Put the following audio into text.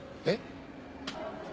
えっ？